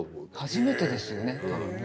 初めてですよね多分ね。